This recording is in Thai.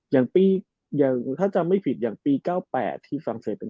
อย่างปีอย่างถ้าจำไม่ผิดอย่างปีเก้าแปดที่ฟรังเศษเป็น